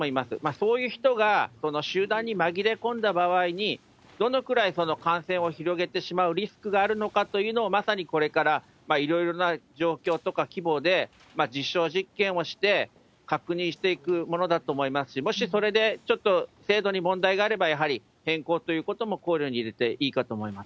そういう人が集団に紛れ込んだ場合に、どのくらいその感染を広げてしまうリスクがあるのかというのを、まさにこれからいろいろな状況とか規模で実証実験をして確認していくものだと思いますし、もしそれでちょっと精度に問題があれば、やはり変更ということも考慮に入れていいかと思います。